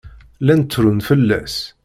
Llan ttrun fell-as.